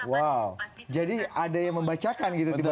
wow jadi ada yang membacakan gitu tiba tiba